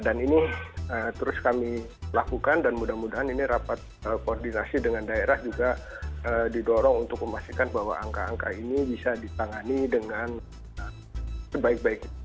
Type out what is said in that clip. dan ini terus kami lakukan dan mudah mudahan ini rapat koordinasi dengan daerah juga didorong untuk memastikan bahwa angka angka ini bisa ditangani dengan sebaik baiknya